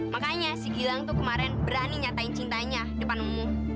makanya si gilang tuh kemarin berani nyatain cintanya depanmu